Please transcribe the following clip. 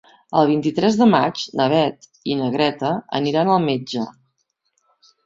El vint-i-tres de maig na Beth i na Greta aniran al metge.